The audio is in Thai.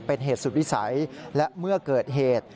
เป็นเหตุสุริใสและเมื่อเกิดเขต